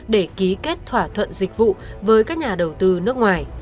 để ký kết thỏa thuận dịch vụ với các nhà đầu tư nước ngoài